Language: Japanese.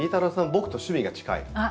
僕と趣味が近い。